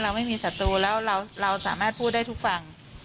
ไม่มีศัตรูแล้วเราสามารถพูดได้ทุกฝั่ง